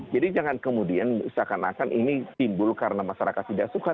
jadi jangan kemudian seakan akan ini timbul karena masyarakat tidak suka